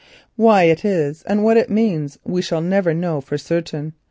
Why it is and what it means we shall perhaps never know for certain.